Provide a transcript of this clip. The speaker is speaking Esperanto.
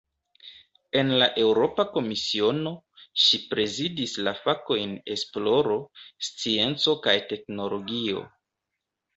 En la Eŭropa Komisiono, ŝi prezidis la fakojn "esploro, scienco kaj teknologio".